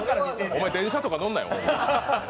お前電車とか乗んなよ。